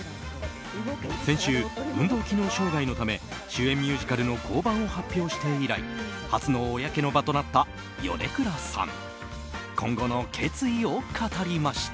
先週、運動機能障害のため主演ミュージカルの降板を発表して以来初の公の場となった米倉さん。